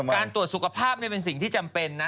การตรวจสุขภาพเป็นสิ่งที่จำเป็นนะ